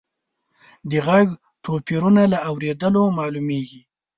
د غږ توپیرونه له اورېدلو معلومیږي.